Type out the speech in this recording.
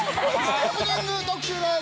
ハプニング特集です。